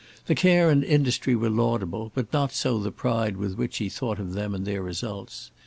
The care and industry were laudable, but not so the pride with which he thought of them and their results.